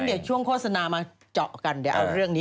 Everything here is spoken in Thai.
งั้นเดี๋ยวช่วงโฆษณามาเจาะกันเอาเรื่องนี้ก่อน